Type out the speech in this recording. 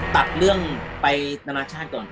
ตัดเรื่องไปนานาชาติก่อน